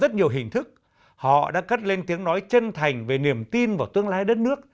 rất nhiều hình thức họ đã cất lên tiếng nói chân thành về niềm tin vào tương lai đất nước